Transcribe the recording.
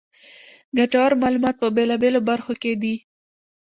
ګټورمعلومات په بېلا بېلو برخو کې دي.